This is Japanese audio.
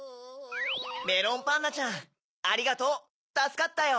メロンパンナちゃんありがとう！たすかったよ！